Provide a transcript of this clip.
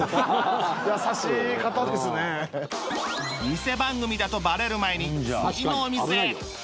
ニセ番組だとバレる前に次のお店へ